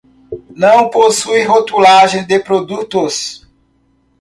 Não possui rotulagem de produtos.